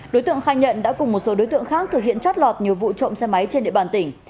đối tượng khai nhận đã cùng một số đối tượng khác thực hiện chót lọt nhiều vụ trộm xe máy trên địa bàn tỉnh